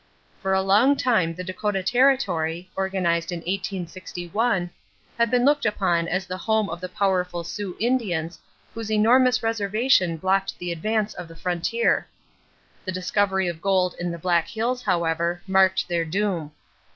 For a long time the Dakota territory, organized in 1861, had been looked upon as the home of the powerful Sioux Indians whose enormous reservation blocked the advance of the frontier. The discovery of gold in the Black Hills, however, marked their doom.